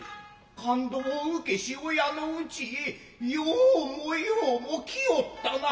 勘当うけし親の内へようもようも来おったナ。